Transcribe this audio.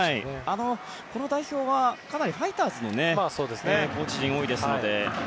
この代表はかなりファイターズのコーチ陣が多いので。